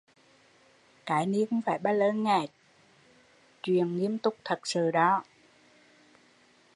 Cái ni không phải ba lơn, chuyện nghiêm túc thật sự!